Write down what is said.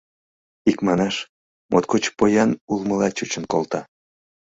Икманаш, моткочак поян улмыла чучын колта.